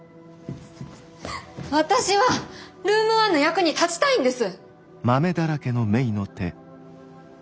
私はルーム１の役に立ちたいんです！